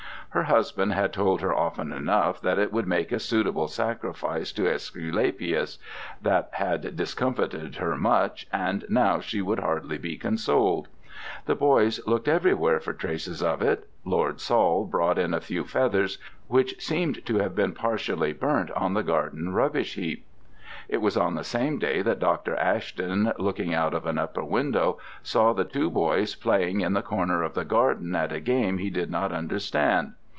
Her husband had told her often enough that it would make a suitable sacrifice to Æsculapius; that had discomfited her much, and now she would hardly be consoled. The boys looked everywhere for traces of it: Lord Saul brought in a few feathers, which seemed to have been partially burnt on the garden rubbish heap. It was on the same day that Dr. Ashton, looking out of an upper window, saw the two boys playing in the corner of the garden at a game he did not understand.